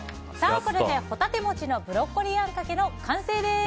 これで、ホタテもちのブロッコリーあんかけの完成です。